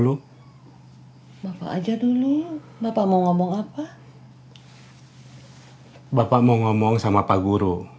supaya kemet tidak gangguin eros lagi